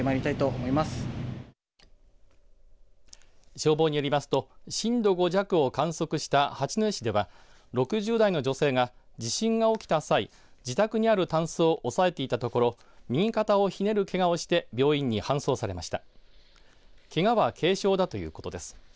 消防によりますと震度５弱を観測した八戸市では６０代の女性が地震が起きた際自宅にあるタンスを押さえていたところ右肩をひねるけがをして病院に搬送されました。